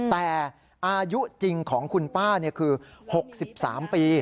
แต่อายุจริงของคุณป้าคือ๖๓ปี